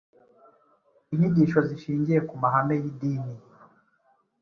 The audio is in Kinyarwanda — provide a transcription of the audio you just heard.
Inyigisho zishingiye ku mahame y’idini